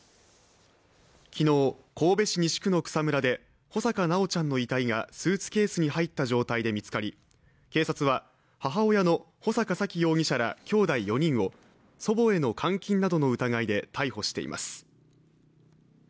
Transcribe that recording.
昨日神戸市西区の草むらで、穂坂修ちゃんの遺体が、スーツケースに入った状態で見つかり、警察は、母親の穂坂沙喜容疑者らきょうだい４人を祖母への監禁などの疑いで逮捕しています。